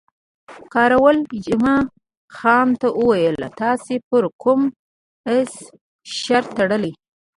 کراول جمعه خان ته وویل، تاسې پر کوم اس شرط تړلی؟